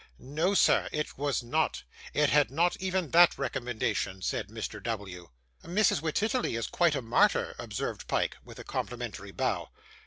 'No, sir, it was not. It had not even that recommendation,' said Mr. W. 'Mrs. Wititterly is quite a martyr,' observed Pyke, with a complimentary bow.